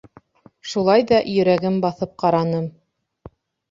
Шулай ҙа йөрәген баҫып ҡараным...